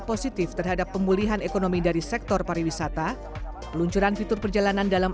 positif terhadap pemulihan ekonomi dari sektor pariwisata peluncuran fitur perjalanan dalam